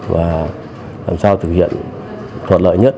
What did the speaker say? và làm sao thực hiện thuận lợi nhất